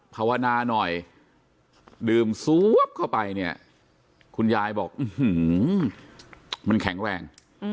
ภาวนาหน่อยดื่มซวบเข้าไปเนี่ยคุณยายบอกมันแข็งแรง